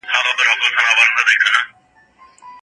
تاسي په خپل موبایل کي د ژبو د زده کړې لپاره څونه پیسې مصرفوئ؟